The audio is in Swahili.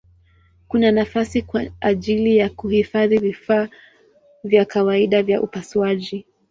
Kuna nafasi kwa ajili ya kuhifadhi vifaa vya kawaida vya upasuaji.